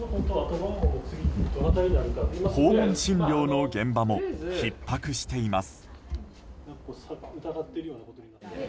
訪問診療の現場もひっ迫しています。